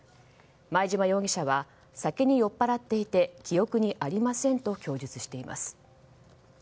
前嶋容疑者は酒に酔っぱらっていて記憶にありませんと供述しています。